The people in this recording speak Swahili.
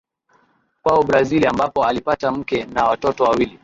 Kwao Brazili ambapo alipata mke na watoto wawili